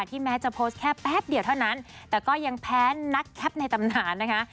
แม้จะโพสต์แค่แป๊บเดียวเท่านั้นแต่ก็ยังแพ้นักแคปในตำนานนะคะ